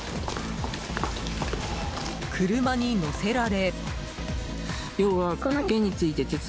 車に乗せられ。